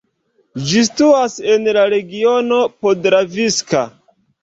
Ĝi situas en la Regiono Podravska.